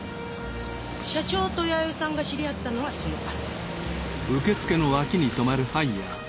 社長と弥生さんが知り合ったのはその後。